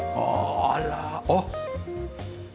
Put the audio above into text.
あらあっ。